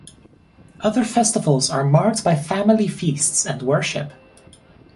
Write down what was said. Other festivals are marked by family feasts and worship.